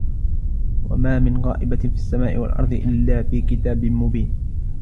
وما من غائبة في السماء والأرض إلا في كتاب مبين